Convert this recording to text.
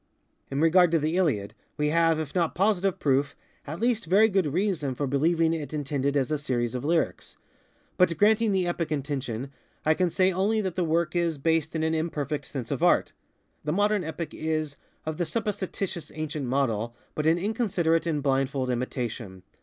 In regard to the Iliad, we have, if not positive proof, at least very good reason for believing it intended as a series of lyrics; but, granting the epic intention, I can say only that the work is based in an imperfect sense of art. The modern epic is, of the supposititious ancient model, but an inconsiderate and blindfold imitation.